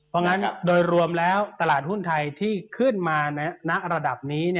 เพราะฉะนั้นโดยรวมแล้วตลาดหุ้นไทยที่ขึ้นมา